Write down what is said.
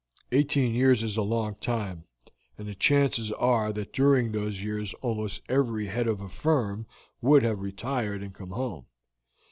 Eighteen years is a long time, and the chances are that during those years almost every head of a firm would have retired and come home.